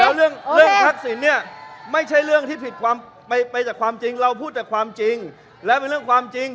บ๊วยบ๊วยแล้วเรื่องทักศิลป์เนี่ยไม่ใช่เรื่องที่ผิดไปจากความจริงเราพูดจากความจริงและเป็นเรื่องความจริง